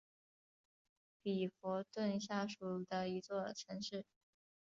里弗顿下属的一座城市。